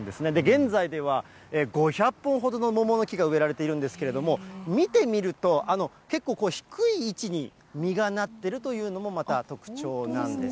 現在では、５００本ほどの桃の木が植えられているんですけれども、見てみると、結構、低い位置に実がなっているというのも、また特徴なんですね。